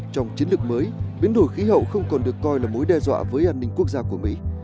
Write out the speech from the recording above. trong chiến lược mới biến đổi khí hậu không còn được coi là mối đe dọa với an ninh quốc gia của mỹ